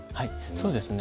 そうですね